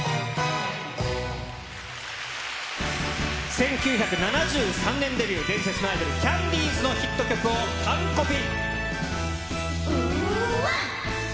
１９７３年デビュー、伝説のアイドル、キャンディーズのヒット曲を完コピ。